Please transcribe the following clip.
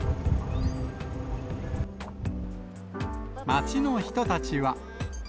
町の人たちは。